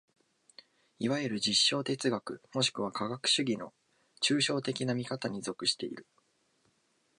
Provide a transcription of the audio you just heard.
いわゆる実証哲学もしくは科学主義の抽象的な見方に属している。